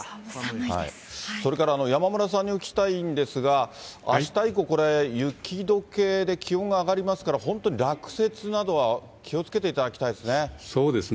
それから山村さんにお聞きしたいんですが、あした以降、雪どけで気温が上がりますから、本当に落雪などは気をつけていただきたいですね。